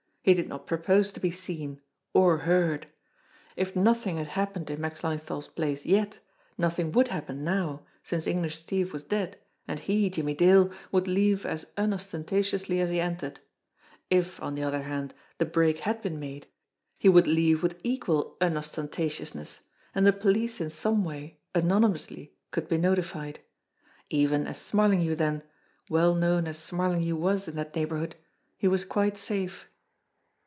He did not propose to be seen or heard. If nothing had happened in Max Linesthal's place yet, nothing would happen now since English Steve was dead, and he, Jimmie Dale, would leave as unostentatiously as he entered ; if, on the other hand, the break had been made, he would leave with equal unos tentatiousness and the police in some way, anonymously, could be notified. Even as Smarlinghue then, well known as Smarlinghue was in that neighbourhood, he was quite safe.